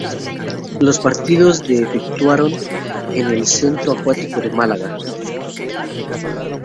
Los partidos de efectuaron en el Centro Acuático de Málaga.